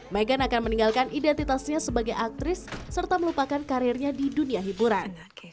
meghan akan meninggalkan identitasnya sebagai aktris serta melupakan karirnya di dunia hiburan